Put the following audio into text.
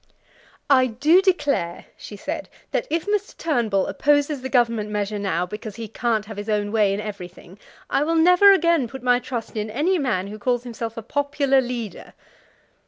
"I do declare," she said, "that if Mr. Turnbull opposes the Government measure now, because he can't have his own way in everything, I will never again put my trust in any man who calls himself a popular leader."